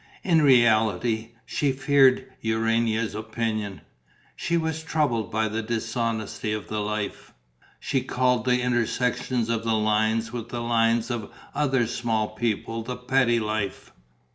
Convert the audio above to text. In reality, she feared Urania's opinion.... She was troubled by the dishonesty of the life: she called the intersections of the line with the lines of other small people the petty life.